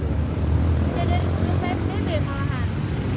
dari sebelum psbb malahan